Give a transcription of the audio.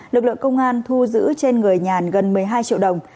lực lượng công an thu giữ trên người nhàn gần một mươi hai triệu đồng